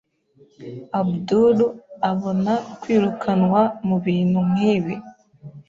Abdul abona kwirukanwa mubintu nkibi.